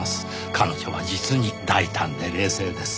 彼女は実に大胆で冷静です。